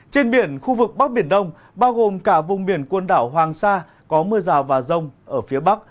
trên biển khu vực bắc biển đông bao gồm cả vùng biển quần đảo hoàng sa có mưa rào và rông ở phía bắc